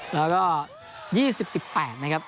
แล้วก็๒๐๑๘นะครับ